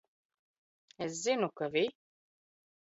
Es zinu, ka vi?